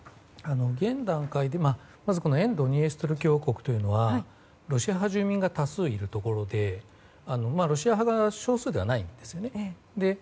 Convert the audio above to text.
現段階でまず沿ドニエストル共和国はロシア派の住民が多数いるところでロシア派が少数ではないんですね。